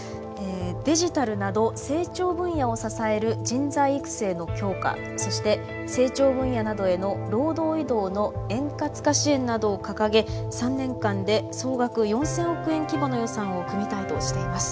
デジタルなど成長分野を支える人材育成の強化そして成長分野などへの労働移動の円滑化支援などを掲げ３年間で総額４，０００億円規模の予算を組みたいとしています。